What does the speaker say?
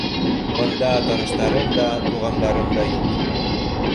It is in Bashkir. Бында таныштарым да, туғандарым да юҡ.